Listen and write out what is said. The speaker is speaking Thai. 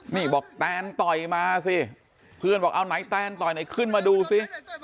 นี่บอกแตนต่อยมาสิเพื่อนบอกเอาไหนแตนต่อยไหนขึ้นมาดูสิ